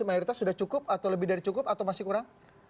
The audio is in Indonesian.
mayoritas sudah cukup atau lebih dari cukup atau masih kurang